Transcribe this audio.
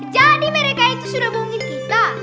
jadi mereka itu sudah bohongin kita